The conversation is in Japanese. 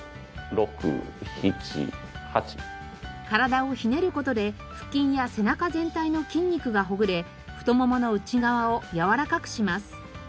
体をひねる事で腹筋や背中全体の筋肉がほぐれ太ももの内側をやわらかくします。